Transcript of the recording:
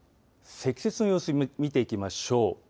積雪の様子、見ていきましょう。